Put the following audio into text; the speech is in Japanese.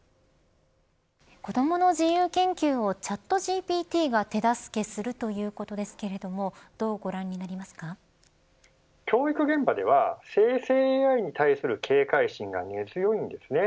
子どもの自由研究をチャットＧＰＴが手助けするということですけれども教育現場では生成ＡＩに対する警戒心が根強いんですね。